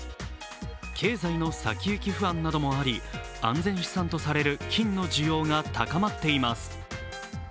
経済の先行き不安などもあり、安全資産とされる金の需要が高まっています。